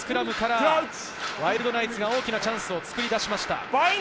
先ほど相手陣内、深い所のスクラムからワイルドナイツが大きなチャンスを作り出しました。